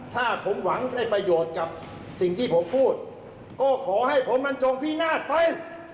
ถ้าผมหวังได้ประโยชน์กับสิ่งที่ผมพูดก็ขอให้ผลมันจงพินาศไป